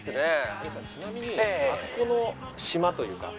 有吉さんちなみにあそこの島というか。